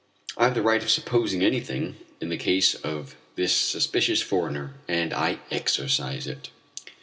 I have the right of supposing anything in the case of this suspicious foreigner, and I exercise it.